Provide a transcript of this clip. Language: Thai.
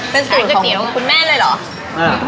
เป็นสรุปของคุณแม่เลยเหรอ